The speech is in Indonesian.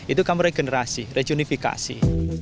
itu kami regenerasi rejunifikasi